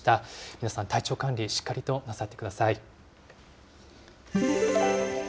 皆さん体調管理、しっかりとなさってください。